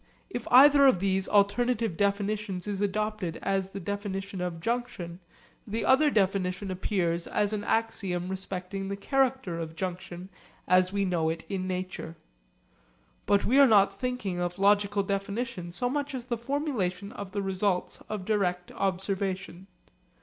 If either of these alternative definitions is adopted as the definition of junction, the other definition appears as an axiom respecting the character of junction as we know it in nature. But we are not thinking of logical definition so much as the formulation of the results of direct observation.